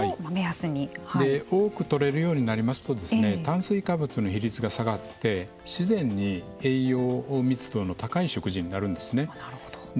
多くとれるようになりますと炭水化物の比率が下がって自然に栄養密度の高い食事になるんですね。